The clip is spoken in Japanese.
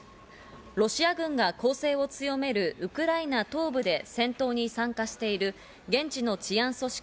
ロシア軍が攻勢を強めるウクライナ東部で戦闘に参加している現地の治安組織